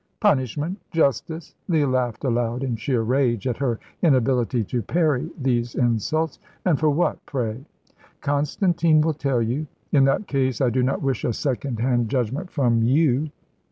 "Punishment! Justice!" Leah laughed aloud in sheer rage at her inability to parry these insults. "And for what, pray?" "Constantine will tell you." "In that case I do not wish a second hand judgment from you."